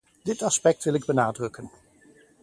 Dit aspect wil ik benadrukken.